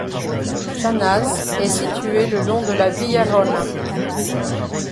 Chanaz est située le long de la via Rhôna.